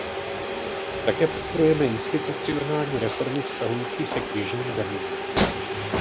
Také podporujeme institucionální reformy vztahující se k jižním zemím.